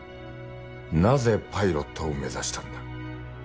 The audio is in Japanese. なぜパイロットを目指したんだ。